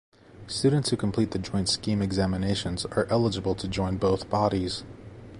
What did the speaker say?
Students who complete the Joint Scheme examinations are eligible to join both bodies.